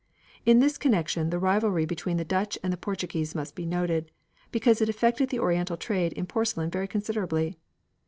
In this connection the rivalry between the Dutch and the Portuguese must be noted, because it affected the Oriental trade in porcelain very considerably.